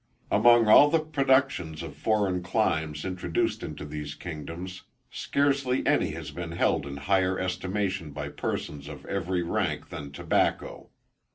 Among all the productions of foreign climes introduced into these kingdoms, scarcely any has been held in higher estimation by persons of every rank than tobacco.